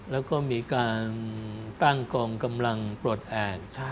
แล้วก็มีการตั้งกองกำลังปลดแอบ